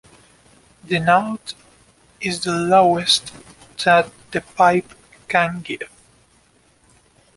The note is the lowest that the pipe can give.